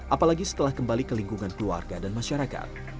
apalagi setelah kembali ke lingkungan keluarga dan masyarakat